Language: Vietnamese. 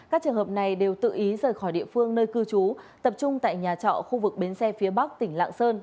các trường hợp này đều tự ý rời khỏi địa phương nơi cư trú tập trung tại nhà trọ khu vực bến xe phía bắc tỉnh lạng sơn